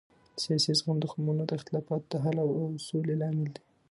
سیاسي زغم د قومونو د اختلافاتو د حل او سولې لامل دی